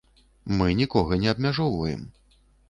Мы нікога не абмяжоўваем.